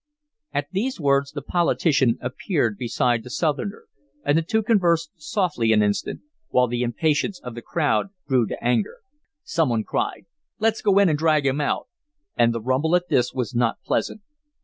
At these words the politician appeared beside the Southerner, and the two conversed softly an instant, while the impatience of the crowd grew to anger. Some one cried: "Let's go in and drag him out," and the rumble at this was not pleasant.